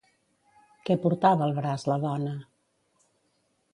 Què portava al braç la dona?